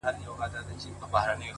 o اوس مي د هغي دنيا ميـر ويـــده دی،